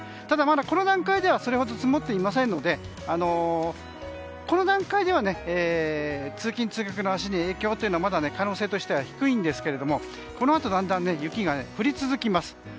ただ、この段階ではそれほど積もっていませんのでこの段階では通勤・通学の足に影響というのはまだ可能性として低いんですけれどこのあと、だんだん雪が降り続きます。